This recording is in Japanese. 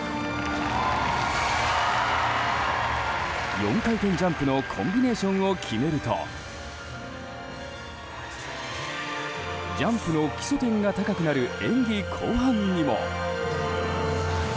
４回転ジャンプのコンビネーションを決めるとジャンプの基礎点が高くなる演技後半にも。